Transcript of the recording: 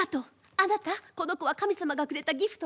あなたこの子は神様がくれたギフトよ。